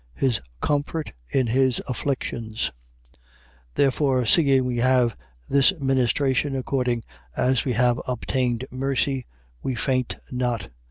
His comfort in his afflictions. 4:1. Therefore seeing we have this ministration, according as we have obtained mercy, we faint not.